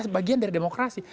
bagian dari demokrasi